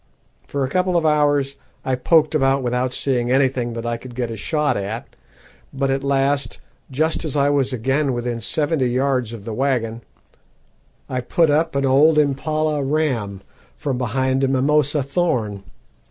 For a couple of hours I poked about without seeing anything that I could get a shot at, but at last, just as I was again within seventy yards of the waggon, I put up an old Impala ram from behind a mimosa thorn.